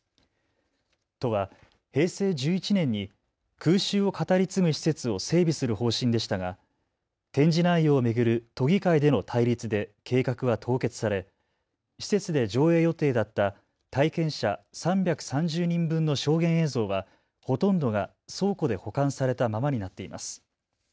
都は平成１１年に空襲を語り継ぐ施設を整備する方針でしたが展示内容を巡る都議会での対立で計画は凍結され施設で上映予定だった体験者３３０人分の証言映像はほとんどが倉庫で保管されたままになっています。